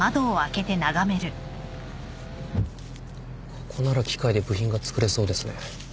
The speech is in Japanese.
ここなら機械で部品が作れそうですね。